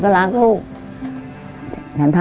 ทำทางนั้นได้